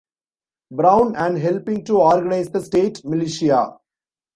Brown, and helping to organize the state militia.